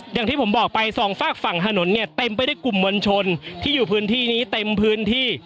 อย่างที่ผมบอกไปสองฝากฝั่งถนนเนี่ยเต็มไปด้วยกลุ่มมวลชนที่อยู่พื้นที่นี้เต็มพื้นที่